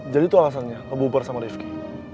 jadi itu alasannya lo bubur sama rifki